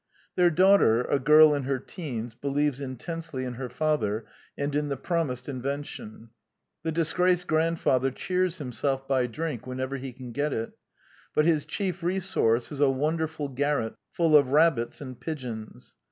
Their slaughter, a girl in her teens, believes intensely in her father and in the promised invention. The disgraced grandfather cheers himself by drink whenever he can get it; but his chief resource is a wonderful garret full of rabbits and pigeons.